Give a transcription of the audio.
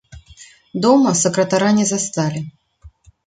Дома сакратара не засталі.